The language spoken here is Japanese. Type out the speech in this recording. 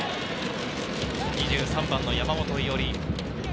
２３番の山本伊織。